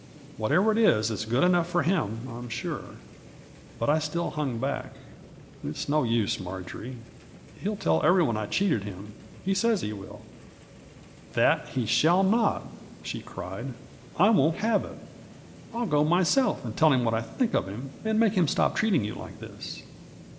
Whatever it is, it's good enough for him, I'm sure !" But I still hung back. " It's no use, Marjory ; he'll tell every one I cheated him — ^he says he will 1 "" That he shall not !" she cried ;" I won't have it. Ill go myself, and tell him what I think of him, and make him stop treating you like this."